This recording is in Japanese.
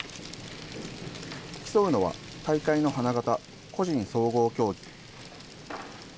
競うのは、大会の花形、個人総合競技。